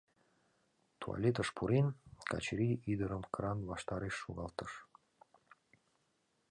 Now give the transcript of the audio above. Туалетыш пурен, Качырий ӱдырым кран ваштареш шогалтыш.